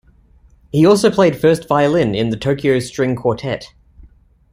He also played first violin in the Tokyo String Quartet.